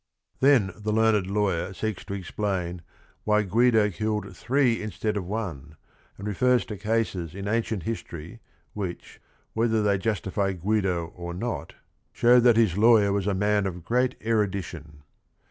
Then_the_learned lawyer seeks to explain why G uido killed three inst ead oToneranri refers 'to cases in ancient history, which, whether they justify Guido or not, show that his lawyer was HYACINTHUS DE ARCHANGELIS 135 a man of great erudition.